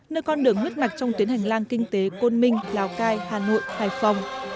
nơi con đường huyết mạch trong tuyến hành lang kinh tế côn minh lào cai hà nội hải phòng